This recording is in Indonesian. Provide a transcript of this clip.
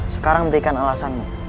sekarang berikan alasanmu